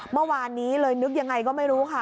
เมื่อวานนี้เลยนึกยังไงก็ไม่รู้ค่ะ